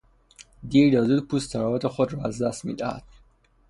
دیر یا زود پوست طراوت خود را از دست میدهد.